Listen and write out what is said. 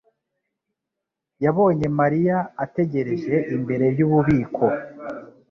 yabonye Mariya ategereje imbere yububiko.